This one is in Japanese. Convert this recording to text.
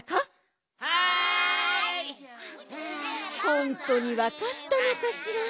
ほんとにわかったのかしら。